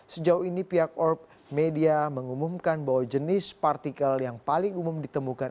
sejauh ini pihak orb media mengumumkan bahwa jenis partikel yang paling umum ditemukan